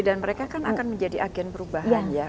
dan mereka akan menjadi agen perubahan ya